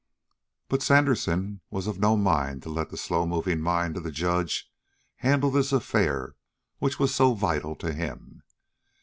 But Sandersen was of no mind to let the slow moving mind of the judge handle this affair which was so vital to him.